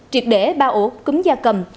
triệt đế ba ổ cúng gia cầm